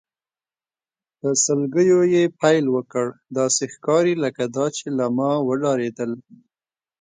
په سلګیو یې پیل وکړ، داسې ښکاري لکه دا چې له ما وډارېدل.